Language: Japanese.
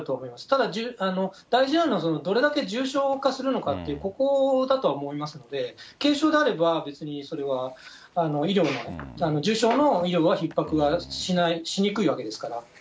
ただ、大事なのは、どれだけ重症化するのかという、ここだと思いますので、軽症であれば、別にそれは医療の、重症の医療のひっ迫がしない、しにくいわけですから。